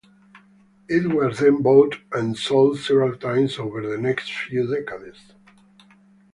It was then bought and sold several times over the next few decades.